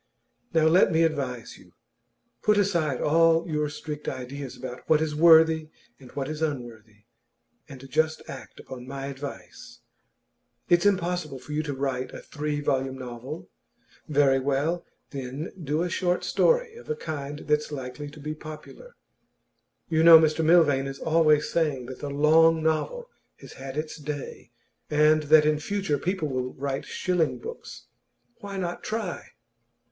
Now let me advise you; put aside all your strict ideas about what is worthy and what is unworthy, and just act upon my advice. It's impossible for you to write a three volume novel; very well, then do a short story of a kind that's likely to be popular. You know Mr Milvain is always saying that the long novel has had its day, and that in future people will write shilling books. Why not try?